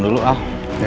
nih ga ada apa apa